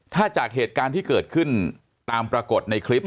ถ้าจากเหตุการณ์ที่เกิดขึ้นตามปรากฏในคลิป